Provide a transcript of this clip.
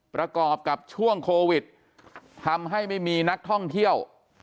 ประกอบกับช่วงโควิดทำให้ไม่มีนักท่องเที่ยว